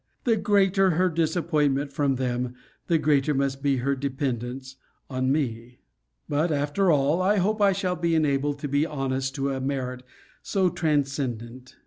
The greater her disappointment from them, the greater must be her dependence on me. But, after all, I hope I shall be enabled to be honest to a merit so transcendent.